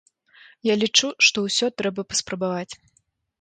Я лічу, што ўсё трэба паспрабаваць.